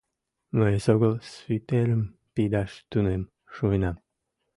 Мый эсогыл свитерым пидаш тунем шуынам.